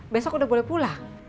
besok udah boleh pulang